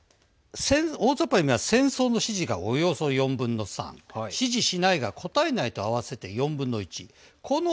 大ざっぱに見れば戦争の支持がおよそ４分の３。支持しないが答えないと合わせて４分の１。